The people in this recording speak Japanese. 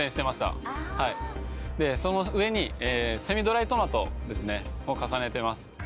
ああーでその上にセミドライトマトですねを重ねてます